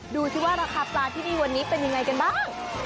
ดูสิว่าราคาปลาที่นี่วันนี้เป็นยังไงกันบ้าง